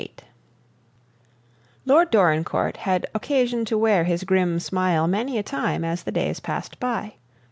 VIII Lord Dorincourt had occasion to wear his grim smile many a time as the days passed by.